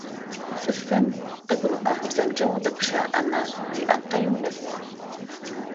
Цӏыфым къыгурыӏорэ бзэмкӏэ удэгущыӏэмэ иакъыл унэсы.